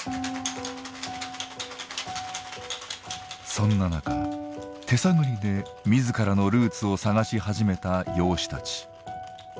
そんな中手探りで自らのルーツを探し始めた養子たち。